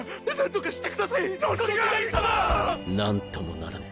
なんともならぬ。